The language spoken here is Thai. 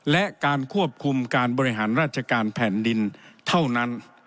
และการควบคุมการบริหารราชการแผ่นดินเท่านั้น